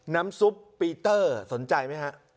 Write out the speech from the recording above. ซุปปีเตอร์สนใจไหมฮะ